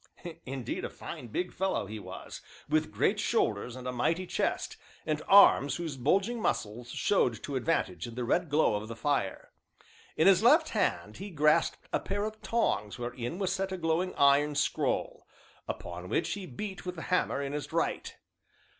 Indeed a fine, big fellow he was, with great shoulders, and a mighty chest, and arms whose bulging muscles showed to advantage in the red glow of the fire. In his left hand he grasped a pair of tongs wherein was set a glowing iron scroll, upon which he beat with the hammer in his right.